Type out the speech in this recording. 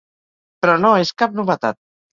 Però no és cap novetat.